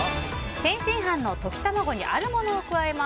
天津飯の溶き卵にあるものを加えます。